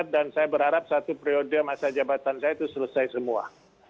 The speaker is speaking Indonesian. dan saya berharap satu periode masa jabatan saya itu selesai semua